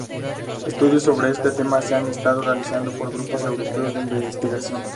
Estudios sobre este tema se han estado realizando por grupos europeos de investigación.